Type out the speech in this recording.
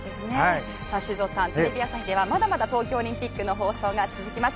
修造さんテレビ朝日ではまだまだ東京オリンピックの放送が続きます。